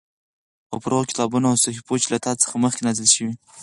او پر هغو کتابونو او صحيفو چې له تا څخه مخکې نازل شوي